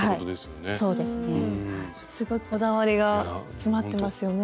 すごいこだわりが詰まってますよね。